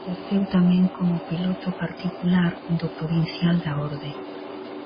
Exerceu tamén como piloto particular do provincial da orde.